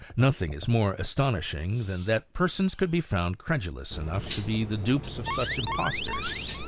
Nothing is more astonishing than that persons should be found credulous enough to be the dupes of such impostors.